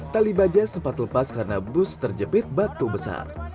tali baja sempat lepas karena bus terjepit batu besar